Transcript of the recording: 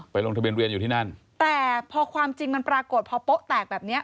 ลงทะเบียนเรียนอยู่ที่นั่นแต่พอความจริงมันปรากฏพอโป๊ะแตกแบบเนี้ย